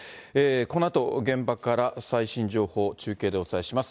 このあと現場から最新情報、中継でお伝えします。